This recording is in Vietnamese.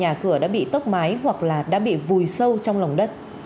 hoặc là đã bị tốc mái hoặc là đã bị vùi sâu trong lòng đất